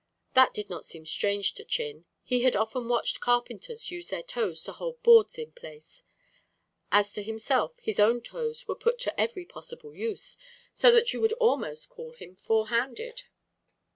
That did not seem strange to Chin. He had often watched carpenters use their toes to hold boards in place. As to himself, his own toes were put to every possible use, so that you would almost call him four handed.